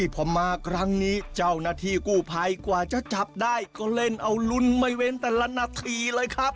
พอมาครั้งนี้เจ้าหน้าที่กู้ภัยกว่าจะจับได้ก็เล่นเอาลุ้นไม่เว้นแต่ละนาทีเลยครับ